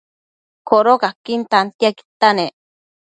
Codocaquin tantiaquidta nec